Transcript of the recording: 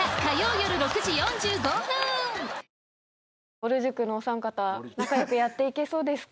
ぼる塾のお三方仲良くやっていけそうですか？